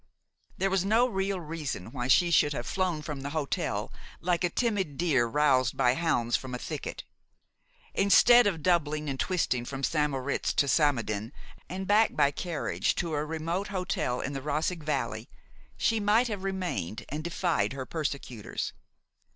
There was no real reason why she should have flown from the hotel like a timid deer roused by hounds from a thicket. Instead of doubling and twisting from St. Moritz to Samaden, and back by carriage to a remote hotel in the Roseg Valley, she might have remained and defied her persecutors.